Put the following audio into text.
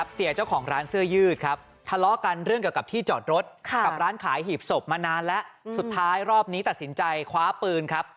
สุดท้ายรอบนี้ตัดสินใจคว้าปืนครับ